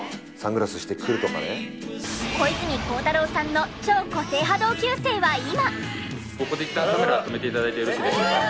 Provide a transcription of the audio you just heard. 小泉孝太郎さんの超個性派同級生は今。